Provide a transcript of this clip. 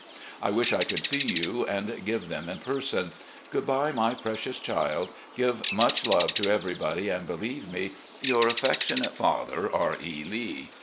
I wish I could see you and give them in person. ... Good bye, my precious child. Give much love to everybody, and believe me, " Your affectionate father, "R. E. Lee."